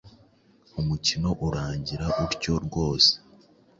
umukino urangira utyo rwose.